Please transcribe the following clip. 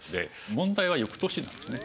問題は翌年ですね。